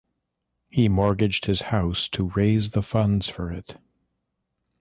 He mortgaged his house to raise the funds for it.